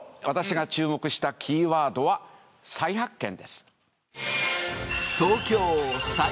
私が注目したキーワードは「再発見」です。